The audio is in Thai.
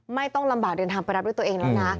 ไม่ต้องลำบากเดินทางไปรับด้วยตัวเองแล้วนะ